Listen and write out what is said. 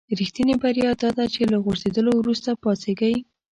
رښتینې بریا داده چې له غورځېدلو وروسته پاڅېږئ.